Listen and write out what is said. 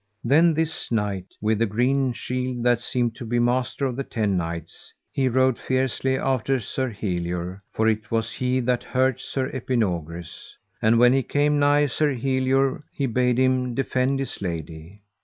Then this knight with the green shield that seemed to be master of the ten knights, he rode fiercely after Sir Helior, for it was he that hurt Sir Epinogris. And when he came nigh Sir Helior he bade him defend his lady.